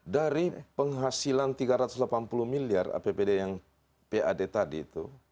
dari penghasilan tiga ratus delapan puluh miliar apbd yang pad tadi itu